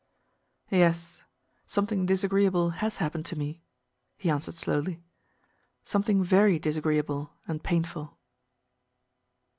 "Yes, something disagreeable has happened to me," he answered slowly. "Something very disagreeable and painful."